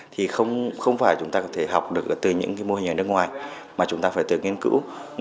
thì không phải chúng ta có thể học được từ những mô hình ở nước ngoài mà chúng ta phải tự nghiên cứu